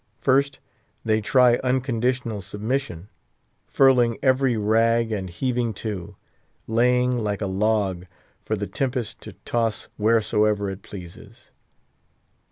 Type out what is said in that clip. First, they try unconditional submission; furling every rag and heaving to: laying like a log, for the tempest to toss wheresoever it pleases.